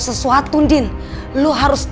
sesuatu andin lo harus